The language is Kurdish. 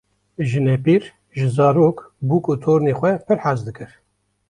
Jinepîr ji zarok, bûk û tornên xwe pir hez dikir.